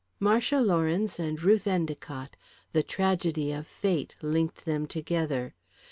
Marcia Lawrence and Ruth Endicott the tragedy of fate linked them together.